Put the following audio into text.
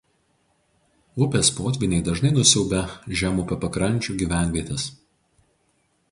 Upės potvyniai dažnai nusiaubia žemupio pakrančių gyvenvietes.